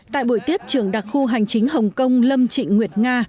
tại buổi tiếp trưởng đặc khu hành chính hồng kông lâm trịnh nguyệt nga